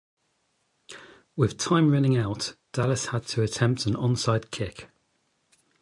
With time running out, Dallas had to attempt an onside kick.